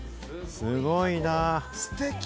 すごいな！